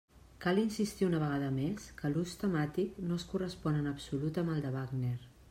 Cal insistir una vegada més que l'ús temàtic no es correspon en absolut amb el de Wagner.